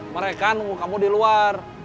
mereka nunggu kamu di luar